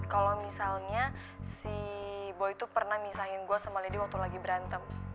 kalau misalnya si bo itu pernah misahin gue sama lady waktu lagi berantem